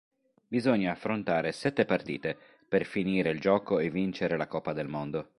Bisogna affrontare sette partite per finire il gioco e vincere la Coppa del Mondo.